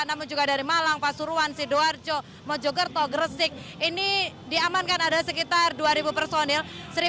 namun juga dari malang pasuruan sidoarjo mojokerto gresik ini diamankan ada sekitar dua personil